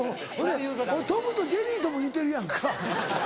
これ『トムとジェリー』とも似てるやんか。